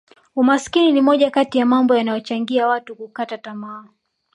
umaskini ni moja kati ya mambo yanayochangia watu kukata tamaa